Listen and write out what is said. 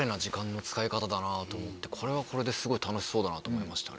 だなと思ってこれはこれですごい楽しそうだと思いましたね。